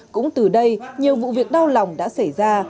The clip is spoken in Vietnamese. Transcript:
cũng từ đây nhiều vụ việc đau lòng đã xảy ra